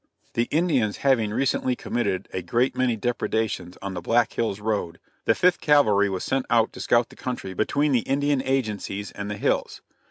The Indians having recently committed a great many depredations on the Black Hills road, the Fifth Cavalry was sent out to scout the country between the Indian agencies and the hills.